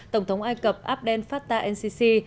tổng thống ai cập abdel fattah el sisi